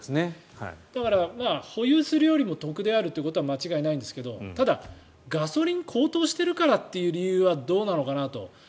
だから保有するよりも得であることは間違いないんですがただ、ガソリン高騰してるからという理由はどうなのかなと。